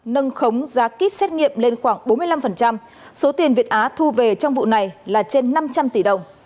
nâng khống giá kýt xét nghiệm lên khoảng bốn mươi năm số tiền việt á thu về trong vụ này là trên năm trăm linh tỷ đồng